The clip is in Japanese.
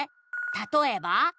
「たとえば？」